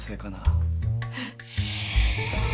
えっ？